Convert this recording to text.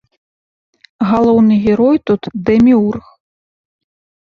Галоўны герой тут дэміург.